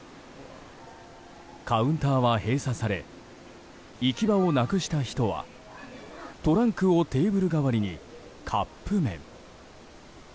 カウンターは閉鎖され行き場をなくした人はトランクをテーブル代わりにカップ麺。